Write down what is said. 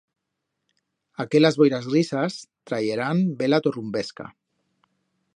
Aquelas boiras grisas trayerán bela torrumbesca.